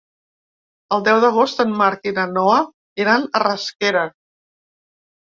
El deu d'agost en Marc i na Noa iran a Rasquera.